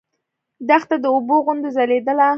دښته د اوبو غوندې ځلېدله.